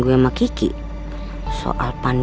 bos jangan saja berani sarang kulanya